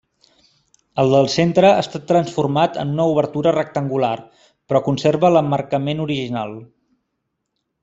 El del centre ha estat transformat en una obertura rectangular, però conserva l'emmarcament original.